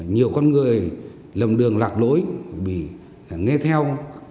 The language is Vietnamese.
nhiều con người lầm đường lạc lối bị nghe theo